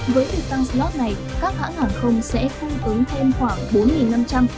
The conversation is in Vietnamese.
với việc tăng slot này các hãng hàng không sẽ phung tướng thêm khoảng